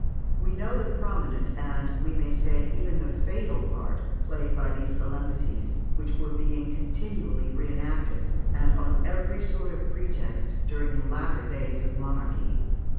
We know the prominent, and, we may say, even the fatal, part played by these solemnities, which were being continually re enacted, and on every sort of pretext, during the latter days of monarchy.